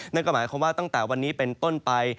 นั่นก็หมายความว่าตั้งแต่วันนี้เป็นต้นไป